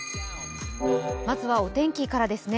まずはお天気からですね